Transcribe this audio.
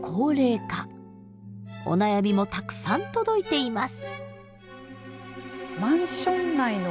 お悩みもたくさん届いています。